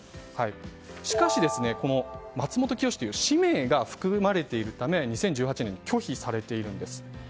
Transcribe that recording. しかしマツモトキヨシという氏名が含まれているため２０１８年に拒否されているんです。